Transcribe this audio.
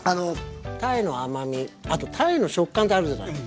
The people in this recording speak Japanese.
鯛の甘みあと鯛の食感ってあるじゃない。